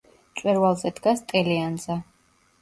მწვერვალზე დგას ტელეანძა.